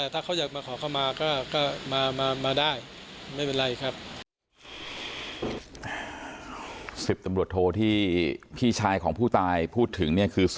๑๐ตำรวจโทษที่พี่ชายของผู้ตายพูดถึงเนี่ยคือ